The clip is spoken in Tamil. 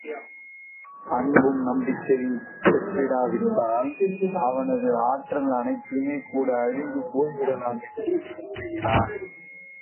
அன்பும், நம்பிக்கையும் பெற்றிராவிட்டால் அவனது ஆற்றல் அனைத்துமே கூட அழிந்து போய்விடலாம் என்று கூறுகிறார்.